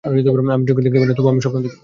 আমি চোখে দেখতে পাই না, তবুও আমি স্বপ্ন দেখি।